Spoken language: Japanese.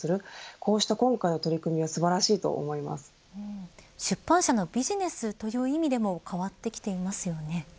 こうした今回の取り組み出版社のビジネスという意味でも変わってきていますよね。